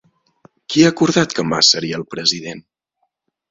Qui ha acordat que Mas seria el president?